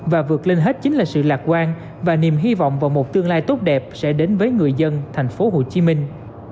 và vượt lên hết chính là sự lạc quan và niềm hy vọng vào một tương lai tốt đẹp sẽ đến với người dân thành phố hồ chí minh